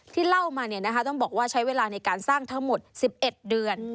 เล่ามาต้องบอกว่าใช้เวลาในการสร้างทั้งหมด๑๑เดือน